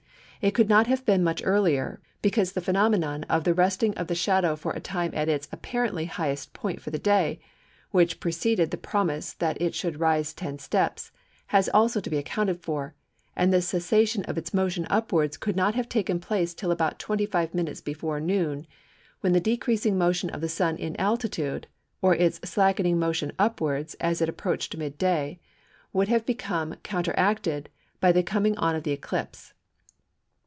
It could not have been much earlier, because the phenomenon of the resting of the shadow for a time at its apparently highest point for the day (which preceded the promise that it should rise ten steps) has also to be accounted for, and this cessation of its motion upwards could not have taken place till about 25 minutes before noon, when the decreasing motion of the Sun in altitude (or its slackening motion upwards as it approached mid day) would have become counteracted by the coming on of the eclipse.